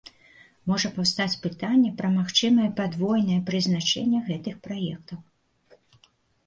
Можа паўстаць пытанне пра магчымае падвойнае прызначэнне гэтых праектаў.